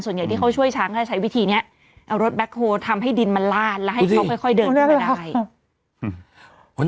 อย่างที่เขาช่วยช้างถ้าใช้วิธีนี้เอารถแบ็คโฮลทำให้ดินมันลาดแล้วให้เขาค่อยเดินขึ้นมาได้